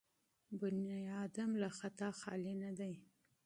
انسان له خطا خالي نه دی.